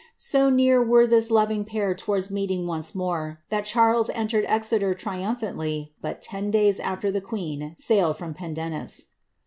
So near were this loving pair towards meeting once more, that Charles entered Exeter triumphantly but toi days after the queen sailed from Pendennis.